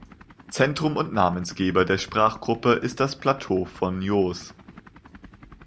Zentrum und Namensgeber der Sprachgruppe ist das Plateau von Jos.